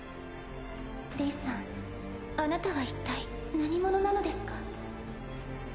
レイさんあなたは一体何者なのですか？